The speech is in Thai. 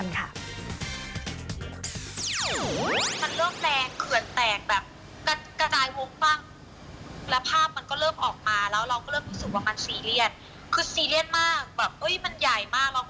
มันเริ่มแรงเขื่อนแตกแบบกระจายพวกบ้าง